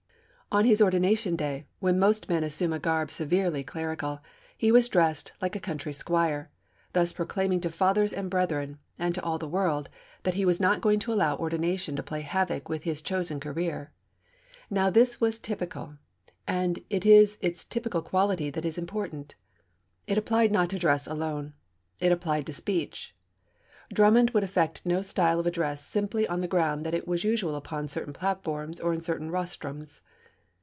On his ordination day, when most men assume a garb severely clerical, he was dressed like a country squire, thus proclaiming to fathers and brethren, and to all the world, that he was not going to allow ordination to play havoc with his chosen career. Now this was typical, and it is its typical quality that is important. It applied not to dress alone. It applied to speech. Drummond would affect no style of address simply on the ground that it was usual upon certain platforms or in certain rostrums.